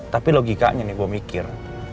tapi logikanya nih gue mikir